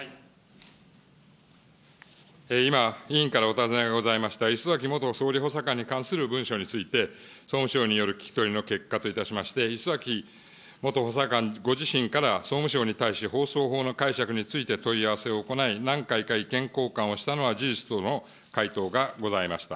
今、委員からお尋ねがございました礒崎元総理補佐官に関する文書について、総務省による聞き取りの結果といたしまして、礒崎元補佐官ご自身から総務省に対して放送法の解釈について問い合わせを行い、何回か意見交換をしたのは事実との回答がございました。